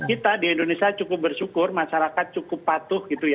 kita di indonesia cukup bersyukur masyarakat cukup patuh